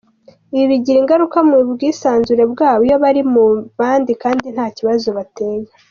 Ibi bigira ingaruka mu bwisanzure bwabo iyo bari mu bandi kandi nta kibazo bateye.